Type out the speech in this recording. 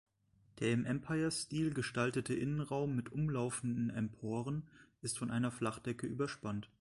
Der im Empirestil gestaltete Innenraum mit umlaufenden Emporen ist von einer Flachdecke überspannt.